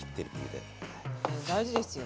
でも大事ですよ。